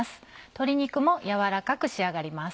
鶏肉も軟らかく仕上がります。